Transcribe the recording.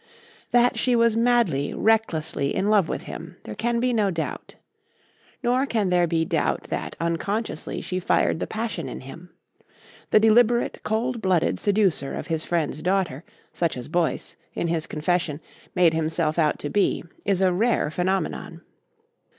That she was madly, recklessly in love with him there can be no doubt. Nor can there be doubt that unconsciously she fired the passion in him. The deliberate, cold blooded seducer of his friend's daughter, such as Boyce, in his confession, made himself out to be, is a rare phenomenon.